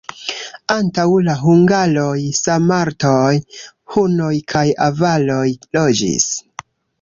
Antaŭ la hungaroj sarmatoj, hunoj kaj avaroj loĝis.